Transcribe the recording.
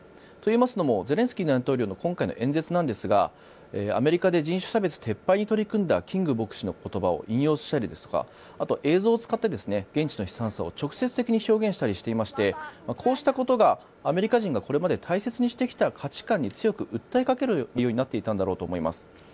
といいますのもゼレンスキー大統領の今回の演説なんですがアメリカで人種差別撤廃に取り組んだキング牧師の言葉を引用したりですとかあと、映像を使って現地の悲惨さを直接的に表現したりしていましてこうしたことがアメリカ人がこれまで大切にしてきた価値観に強く訴えかける内容になっていたんだと思います。